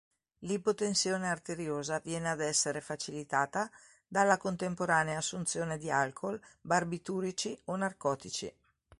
L'ipotensione arteriosa viene ad essere facilitata dalla contemporanea assunzione di alcool, barbiturici o narcotici.